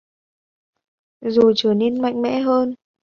Rồi trở nên mạnh mẽ hơn